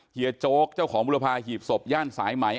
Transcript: เฮีโจ๊กเจ้าของบุรพาหีบศพย่านสายไหม